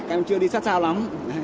em chưa đi sát sao lắm